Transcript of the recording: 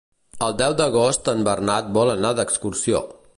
El deu d'agost en Bernat vol anar d'excursió.